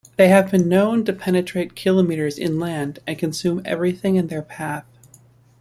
They have been known to penetrate kilometers inland, and consume everything in their path.